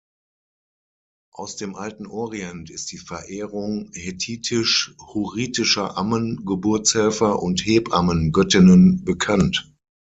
Aus dem alten Orient ist die Verehrung Hethitisch-hurritischer Ammen-, Geburtshelfer- und Hebammen-Göttinnen bekannt.